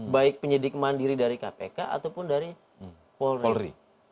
baik penyidik mandiri dari kpk ataupun dari polri